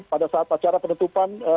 pada saat acara penutupan